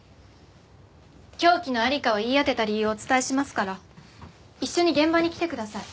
凶器の在りかを言い当てた理由をお伝えしますから一緒に現場に来てください。